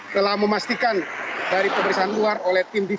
telah memastikan dari pemeriksaan luar oleh tim dvi